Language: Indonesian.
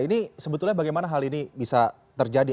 ini sebetulnya bagaimana hal ini bisa terjadi